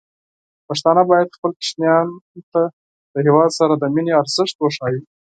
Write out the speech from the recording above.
پښتانه بايد خپل ماشومان ته د هيواد سره د مينې ارزښت وښيي.